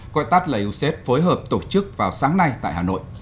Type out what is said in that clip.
gọi tắt là used phối hợp tổ chức vào sáng nay tại hà nội